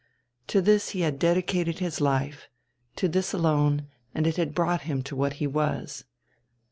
To this he had dedicated his life, to this alone, and it had brought him to what he was.